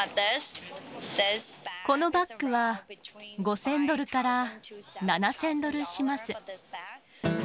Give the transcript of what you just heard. このバッグは、５０００ドルから７０００ドルします。